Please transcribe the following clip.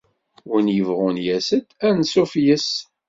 Win yebɣun yas-d, ansuf yess.